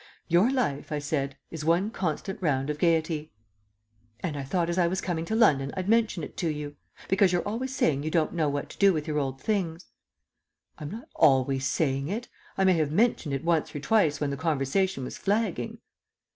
"Your life," I said, "is one constant round of gaiety." "And I thought as I was coming to London I'd mention it to you. Because you're always saying you don't know what to do with your old things." "I'm not always saying it. I may have mentioned it once or twice when the conversation was flagging."